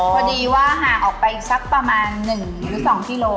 พอดีว่าห่างออกไปสักประมาณ๑หรือ๒กิโล